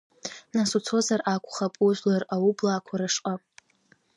Нас уцозар акухап ужәлар аублаакуа рышҟа.